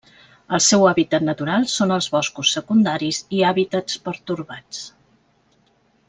El seu hàbitat natural són els boscos secundaris i hàbitats pertorbats.